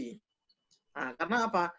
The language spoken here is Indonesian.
nah karena apa